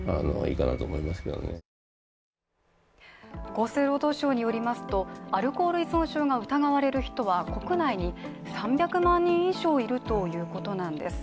厚生労働省によりますとアルコール依存症が疑われる人は国内に３００万人以上いるということなんです。